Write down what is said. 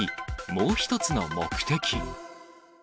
もう一つの目的。